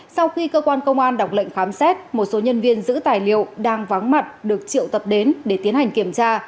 sau khi cơ quan công an đọc lệnh khám xét một số nhân viên giữ tài liệu đang vắng mặt được triệu tập đến để tiến hành kiểm tra